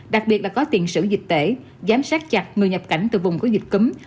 đặc biệt là có tiền sử dịch tễ giám sát chặt người nhập cảnh từ vùng có dịch cấm